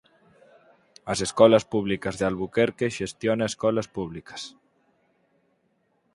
As Escolas Públicas de Albuquerque xestiona escolas públicas.